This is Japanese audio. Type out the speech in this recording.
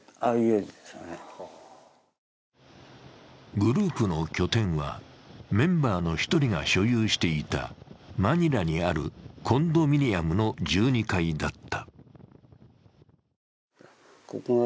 グループの拠点はメンバーの１人が所有していたマニラにあるコンドミニアムの１２階だった。